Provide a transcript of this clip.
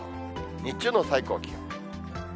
日中の最高気温。